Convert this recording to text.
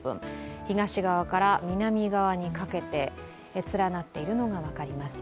東側から南側にかけて連なっているのが分かります。